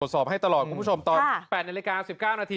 สอบให้ตลอดคุณผู้ชมตอน๘นาฬิกา๑๙นาที